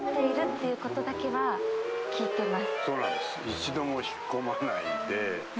一度も引っ込まないで。